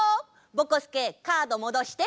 ぼこすけカードもどして。